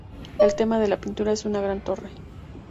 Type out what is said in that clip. El tema de la pintura es una gran torre.